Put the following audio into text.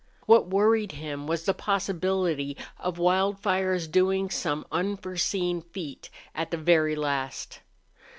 What worried him was the possibility of Wildfire's doing some unforeseen feat at the very last.